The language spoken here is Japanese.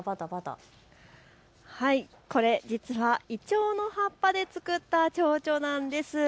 これ、実はイチョウの葉っぱで作ったちょうちょなんです。